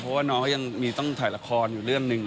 เพราะว่าน้องเขายังมีต้องถ่ายละครอยู่เรื่องหนึ่ง